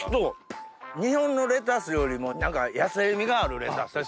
日本のレタスよりも何か野性味があるレタス。